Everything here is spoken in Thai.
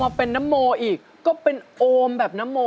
พอมาเป็นน้ำโมอีกก็เป็นโอมแบบน้ำโม